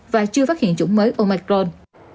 và chưa phát hiện chủng mới omicron